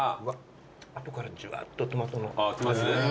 後からじわっとトマトの。